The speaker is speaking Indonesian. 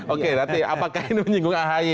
oke berarti apakah ini menyinggung ahy